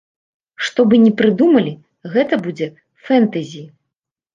Што бы ні прыдумалі, гэта будзе фэнтэзі!